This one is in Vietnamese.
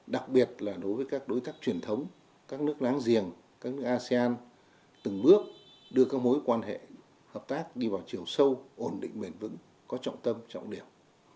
đặc biệt là đối với các đối tác truyền thống các nước láng giềng các nước asean từng bước đưa các mối quan hệ hợp tác đi vào chiều sâu ổn định bền vững có trọng tâm trọng điểm